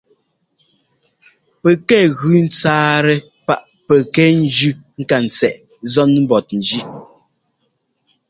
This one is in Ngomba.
Pɛkɛ gʉ ńtsáatɛ páꞌ pɛkɛ ńjʉ́ ŋkatsɛꞌ zɔ́n mbɔtnjí.